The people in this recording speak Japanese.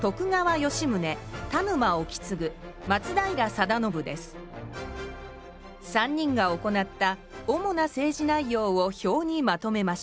資料番号１３人が行った主な政治内容を表にまとめました。